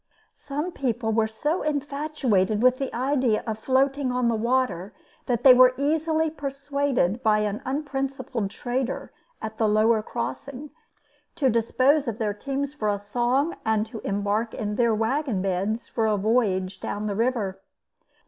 Some people were so infatuated with the idea of floating on the water that they were easily persuaded by an unprincipled trader at the lower crossing to dispose of their teams for a song and to embark in their wagon beds for a voyage down the river.